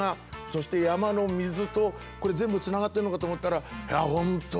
そして山の水とこれ全部つながってるのかと思ったら本当